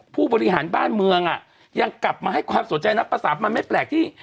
ผู้บริหารบ้านเมืองอ่ะยังกลับมาให้ความสนใจนักภาษามันไม่แปลกที่